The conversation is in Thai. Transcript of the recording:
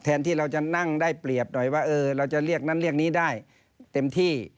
ที่เราจะนั่งได้เปรียบหน่อยว่าเราจะเรียกนั้นเรียกนี้ได้เต็มที่